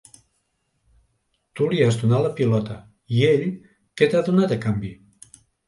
Tu li has donat la pilota; i ell, què t'ha donat en canvi?